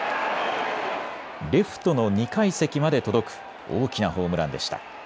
レフトの２階席まで届く大きなホームランでした。